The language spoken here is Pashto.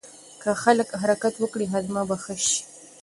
که خلک حرکت وکړي هاضمه به ښه شي.